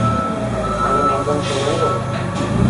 আমিনা একজন সুন্দরী যুবতী।